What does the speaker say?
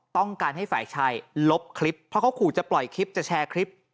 ต้องการให้ฝ่ายชายลบคลิปเพราะเขาขู่จะปล่อยคลิปจะแชร์คลิป